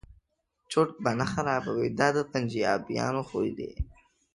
چرت به نه خرابوي دا د پنجابیانو خوی دی.